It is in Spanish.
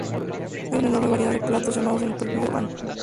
Hay una enorme variedad de platos llamados con el prefijo "bánh".